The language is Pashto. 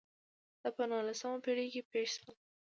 دا په نولسمه پېړۍ کې پېښ شول.